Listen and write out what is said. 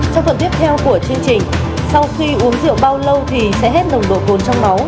trong phần tiếp theo của chương trình sau khi uống rượu bao lâu thì sẽ hết lồng đồ côn trong máu